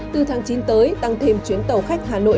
từ tháng chín tới tăng thêm chuyến tàu khách hà nội